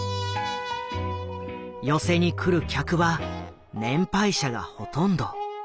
寄席に来る客は年配者がほとんど。